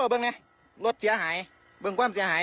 เบื้องเนี่ยรถเสียหายเบื้องกว้ามเสียหาย